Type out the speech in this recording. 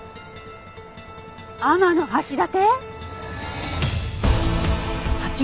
天橋立！？